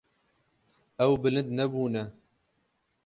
Ew bilind nebûne.